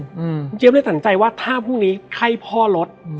อืมคุณเจ๊บเลยสั่งใจว่าถ้าพรุ่งนี้ไข้พ่อลดอืม